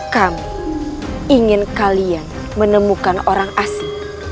kami ingin kalian menemukan orang asli